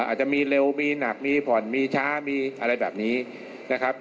อาจจะมีเร็วมีหนักมีผ่อนมีช้ามีอะไรแบบนี้นะครับ